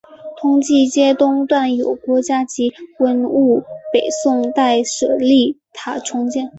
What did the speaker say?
通济街东段有国家级文物北宋代舍利塔重建。